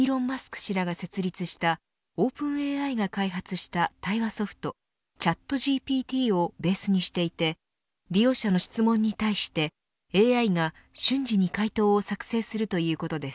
氏らが設立したオープンＡＩが開発したＣｈａｔＧＰＴをベースにしていて利用者の質問に対してＡＩが瞬時に回答を作成するということです。